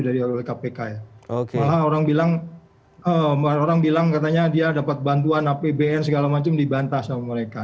dari kpk ya orang bilang orang bilang katanya dia dapat bantuan apbn segala macem dibantah sama mereka